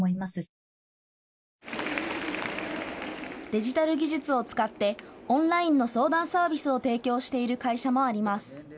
デジタル技術を使ってオンラインの相談サービスを提供している会社もあります。